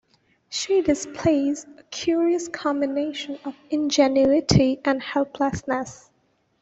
She displays a curious combination of ingenuity and helplessness.